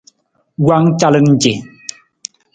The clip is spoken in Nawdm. Wowang calan ce.